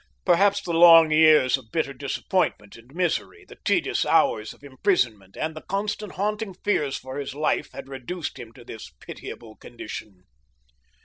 Perhaps the long years of bitter disappointment and misery, the tedious hours of imprisonment, and the constant haunting fears for his life had reduced him to this pitiable condition.